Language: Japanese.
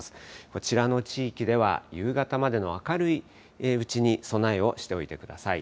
こちらの地域では夕方までの明るいうちに備えをしておいてください。